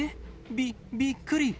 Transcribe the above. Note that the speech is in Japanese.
び、びっくり。